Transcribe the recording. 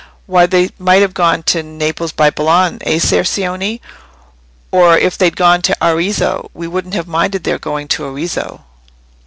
Why, they might have gone to Naples by Bologna, eh, Ser Cioni? or if they'd gone to Arezzo—we wouldn't have minded their going to Arezzo."